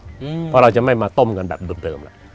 เพราะเราจะไม่มาต้มกันแบบเดิมแล้ว